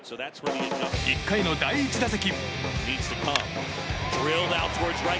１回の第１打席。